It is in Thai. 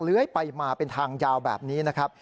ไปมาเป็นทางยาวแบบนี้นะครับ